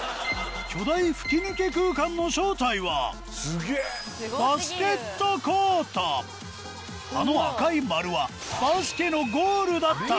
・巨大吹き抜け空間の正体はあの赤い丸はバスケのゴールだった！